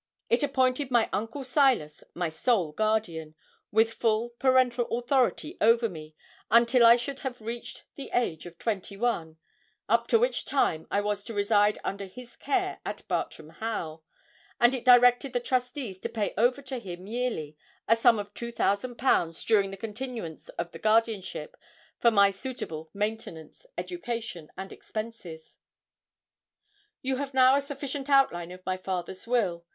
It appointed my uncle Silas my sole guardian, with full parental authority over me until I should have reached the age of twenty one, up to which time I was to reside under his care at Bartram Haugh, and it directed the trustees to pay over to him yearly a sum of 2,000_l_. during the continuance of the guardianship for my suitable maintenance, education, and expenses. You have now a sufficient outline of my father's will.